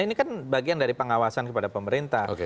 ini kan bagian dari pengawasan kepada pemerintah